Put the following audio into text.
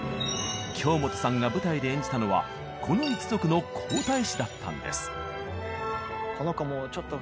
京本さんが舞台で演じたのはこの一族の皇太子だったんです。